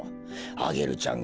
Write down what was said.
アゲルちゃんが！